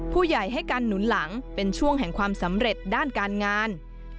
ผู้ใหญ่ให้การหนุนหลังเป็นช่วงแห่งความสำเร็จด้านการงาน